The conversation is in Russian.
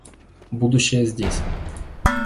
Будущее здесь